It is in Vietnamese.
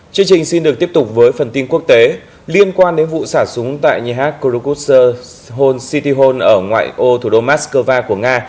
chương trình xin được tiếp tục với phần tin quốc tế liên quan đến vụ sả súng tại nhà hát kuruksa city hall ở ngoại ô thủ đô moscow của nga